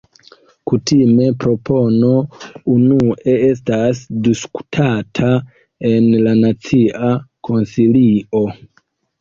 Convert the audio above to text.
Kutime propono unue estas diskutata en la Nacia Konsilio.